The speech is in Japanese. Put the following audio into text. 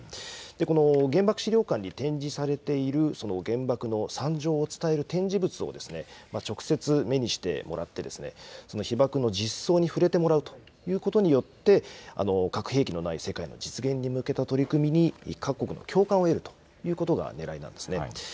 この原爆資料館に展示されている原爆の惨状を伝える展示物を直接目にしてもらって、被爆の実相に触れてもらうということによって、核兵器のない世界の実現に向けた取り組みに各国の共感を得るということがねらいなんですね。